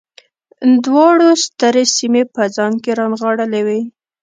دواړو سترې سیمې په ځان کې رانغاړلې وې.